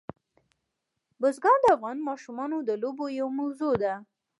بزګان د افغان ماشومانو د لوبو یوه موضوع ده.